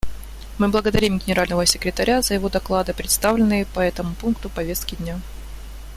Мы благодарим Генерального секретаря за его доклады, представленные по этому пункту повестки дня.